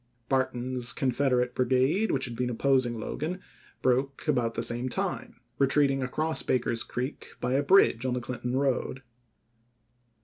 Barton's Confederate brigade, which had been opposing Logan, broke about the same time, retreating across Baker's Creek by a bridge on the Clinton road.